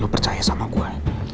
lo percaya sama gue